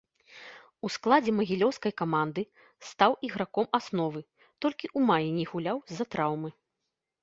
У складзе магілёўскай каманды стаў іграком асновы, толькі ў маі не гуляў з-за траўмы.